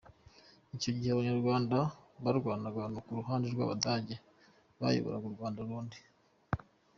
Icyo gihe Abanyarwanda barwanaga ku ruhande rw’Abadage bayoboraga Rwanda-Urundi.